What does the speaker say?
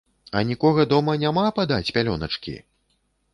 А нікога дома няма падаць пялёначкі?